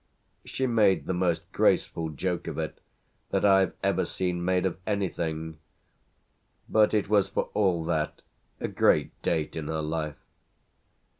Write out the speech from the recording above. She made the most graceful joke of it that I've ever seen made of anything; but it was for all that a great date in her life.